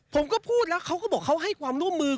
ผมก็พูดแล้วเขาก็บอกเขาให้ความร่วมมือ